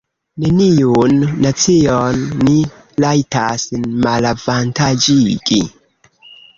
Neniun nacion ni rajtas malavantaĝigi.